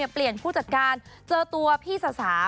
เปลี่ยนผู้จัดการเจอตัวพี่สาสา